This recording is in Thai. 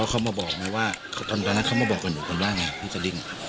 แล้วเข้ามาบอกไหมว่าตอนตอนนั้นเข้ามาบอกกับหนูกันว่าไงพี่สาวดิ้ง